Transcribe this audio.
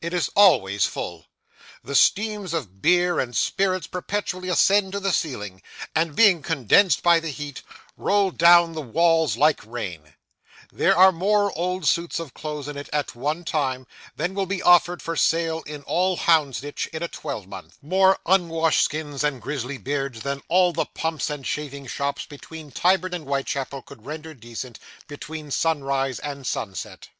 It is always full. The steams of beer and spirits perpetually ascend to the ceiling, and, being condensed by the heat, roll down the walls like rain; there are more old suits of clothes in it at one time, than will be offered for sale in all Houndsditch in a twelvemonth; more unwashed skins and grizzly beards than all the pumps and shaving shops between Tyburn and Whitechapel could render decent, between sunrise and sunset.